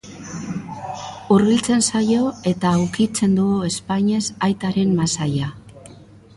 Hurbiltzen zaio eta ukitzen du ezpainez aitaren masaila.